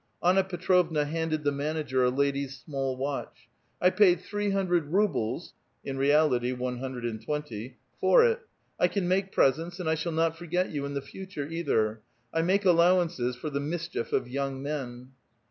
Anna Petrovna handed the manager a lady's small watch. "I paid three hundred rubles" (in reality one hundred and twenty) " for it. I can make presents, and I shall not forget you in the future either. I make allowances for the mischief of young men."